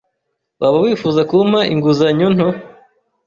Waba wifuza kumpa inguzanyo nto?